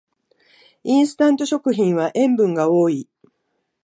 インスタント食品は塩分が多い